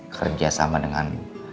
kerja sama dengan